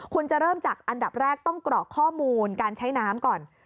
คุณจะเริ่มจากอันดับแรกต้องกรอกข้อมูลการใช้น้ำก่อน